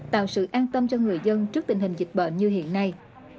tạo sự an tâm cho người dân trước tình hình dịch bệnh như hiện nay